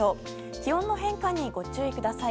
気温の変化にご注意ください。